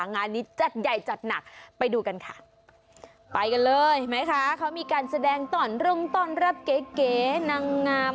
งานนี้จัดใหญ่จัดหนักไปดูกันค่ะไปกันเลยเห็นไหมคะเขามีการแสดงต่อนรุ่งต้อนรับเก๋เก๋นางงาม